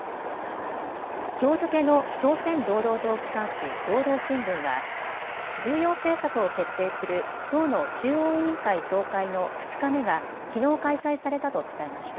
きょう付けの朝鮮労働党機関紙、労働新聞は重要政策を決定する党の中央委員会総会の２日目がきのう開催されたと伝えました。